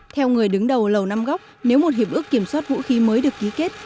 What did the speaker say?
theo người đứng đầu lầu năm góc nếu một hiệp ước kiểm soát vũ khí mới được ký kết